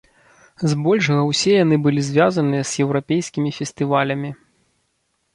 З большага ўсе яны былі звязаныя з еўрапейскімі фестывалямі.